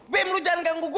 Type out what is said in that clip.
bim lo jangan ganggu gua